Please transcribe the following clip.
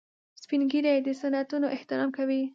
سپین ږیری د سنتونو احترام کوي